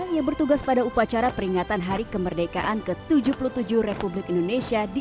yang bertugas pada upacara peringatan hari kemerdekaan ke tujuh puluh tujuh republik indonesia di